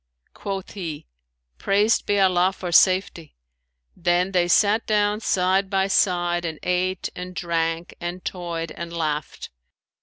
Quoth he, 'Praised be Allah for safety!' Then they sat down side by side and ate and drank and toyed and laughed.